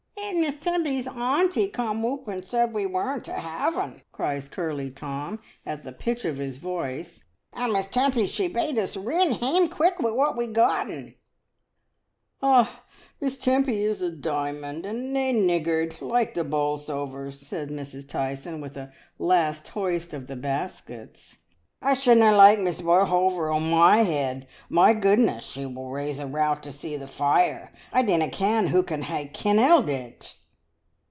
"And Miss Tempy's auntie cam oop and said we werrn't to have'n," cries curly Tom, at the pitch of his voice; "and Miss Tempy she bade us rin heam quick wi' what we gotten." "Ah! Miss Tempy is a Dymond, and na' nig gard, like the Bolsovers," says Mrs. Tyson, with a last hoist of the baskets. "I should na' like Miss Bolsover o'er my head. My goodness! she will raise a rout to see the fire: I dinna ken who can ha' kin nelled it!"